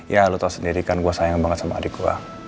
ya lu tahu sendiri kan gue sayang banget sama adik gue